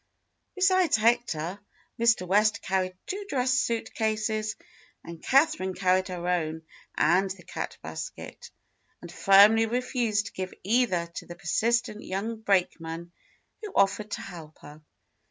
Besides Hector, Mr. West carried two dress suit cases; and Catherine carried her own and the cat basket, and firmly refused to give either to the persistent young brakeman who offered to help her.